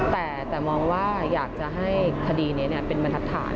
แต่มองว่าอยากจะให้คดีนี้เป็นบรรทัศน